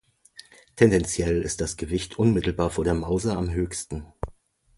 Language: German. Tendenziell ist das Gewicht unmittelbar vor der Mauser am höchsten.